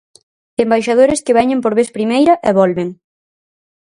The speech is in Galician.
Embaixadores que veñen por vez primeira e volven.